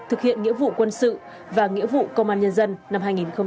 thực hiện nghĩa vụ quân sự và nghĩa vụ công an nhân dân năm hai nghìn hai mươi